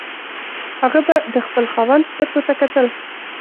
هغه به د خپل خاوند سترګو ته کتل.